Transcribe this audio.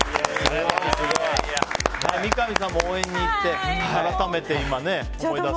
三上さんも応援に行って改めて今、思い出すと。